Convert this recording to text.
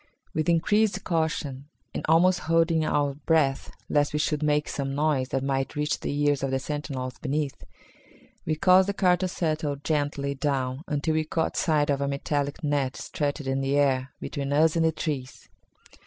With increased caution, and almost holding our breath lest we should make some noise that might reach the ears of the sentinels beneath, we caused the car to settle gently down until we caught sight of a metallic net stretched in the air between us and the trees.